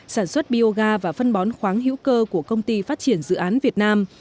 sản xuất bioga và phân bón khoáng hữu cơ của công ty phát triển dự án việt nam